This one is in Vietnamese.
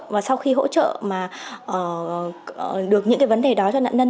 và sau khi hỗ trợ mà được những cái vấn đề đó cho nạn nhân